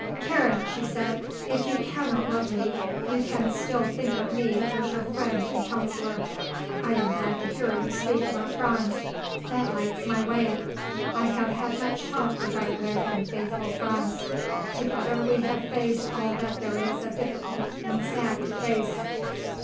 "Karen," she said, "if you cannot love me, you can still think of me as your friend and counsellor. I am glad to hear you speak of our Franz. That lights my way. I have had much talk with our good and faithful Franz. Together we have faced all that there is of difficult and sad to face.